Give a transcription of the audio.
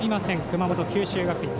熊本、九州学院。